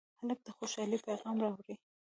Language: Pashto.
هلک د خوشالۍ پېغام راوړي.